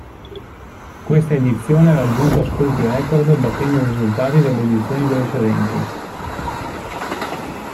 Questa edizione ha raggiunto ascolti record battendo i risultati delle edizioni precedenti.